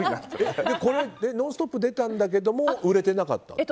「ノンストップ！」に出たけど売れてなかった？